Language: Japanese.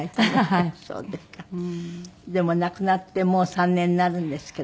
でも亡くなってもう３年になるんですけど。